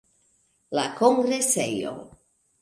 La kongresejo.